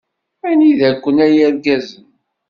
Anida-ken a yirgazen?